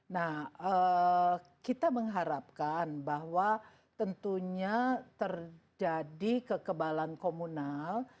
nah kita mengharapkan bahwa tentunya terjadi kekebalan komunal